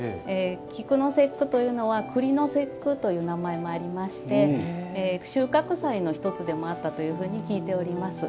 菊の節句というのは栗の節句という名前もありまして収穫祭の１つでもあったというふうに聞いております。